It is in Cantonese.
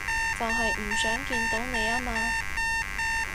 就係唔想見到你吖嘛